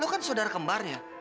lo kan saudara kembarnya